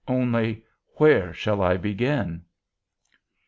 Only, where shall I begin?'